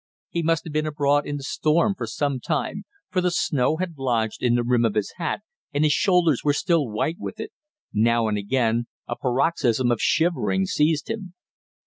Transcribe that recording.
He must have been abroad in the storm for some time, for the snow had lodged in the rim of his hat and his shoulders were still white with it; now and again a paroxysm of shivering seized him.